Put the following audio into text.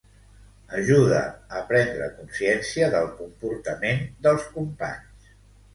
ajuda a prendre consciència del comportament dels companys